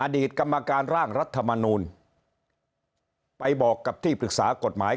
ตกรรมการร่างรัฐมนูลไปบอกกับที่ปรึกษากฎหมาย